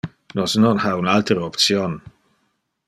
Nos non ha un altere option.